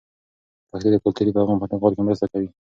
پښتو د کلتوري پیغام په انتقال کې مرسته کوي.